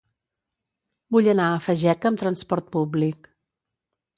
Vull anar a Fageca amb transport públic.